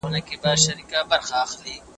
درې عدد دئ.